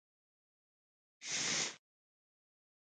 هولمز وویل چې کیسه اوس جدي شوه.